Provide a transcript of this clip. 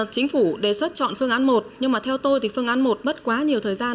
chính phủ đề xuất chọn phương án một nhưng mà theo tôi thì phương án một mất quá nhiều thời gian